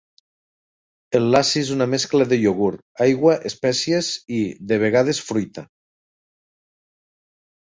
El lassi és una mescla de iogurt, aigua, espècies i, de vegades, fruita.